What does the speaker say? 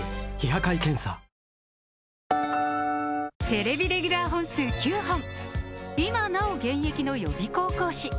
テレビレギュラー本数９本今なお現役の予備校講師